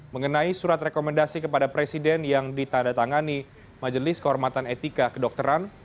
mengenai surat rekomendasi kepada presiden yang ditandatangani majelis kehormatan etika kedokteran